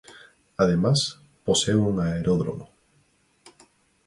Además, posee un aeródromo.